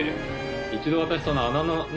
一度私。